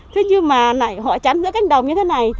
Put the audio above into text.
thế nhưng mà lại họ chắn giữa cánh đồng như thế này